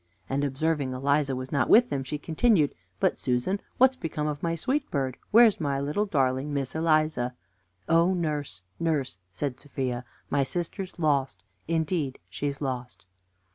And, observing Eliza was not with them, she continued: "But, Susan, what's become of my sweet bird? Where's my little darling, Miss Eliza?" "Oh, nurse! nurse!" said Sophia, "my sister's lost! indeed she's lost!"